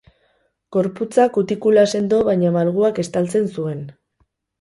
Gorputza kutikula sendo baina malguak estaltzen zuen.